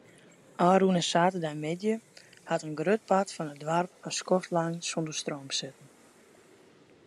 Ofrûne saterdeitemiddei hat in grut part fan it doarp in skoftlang sonder stroom sitten.